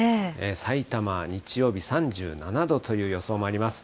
さいたま、日曜日３７度という予想もあります。